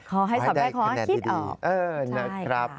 ขอให้สอบได้เพราะให้คิดออกใช่ค่ะนะครับขอให้ได้คะแนนดี